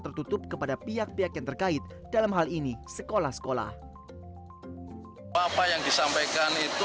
tertutup kepada pihak pihak yang terkait dalam hal ini sekolah sekolah apa yang disampaikan itu